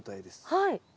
はい。